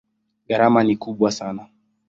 Gharama ni kubwa sana.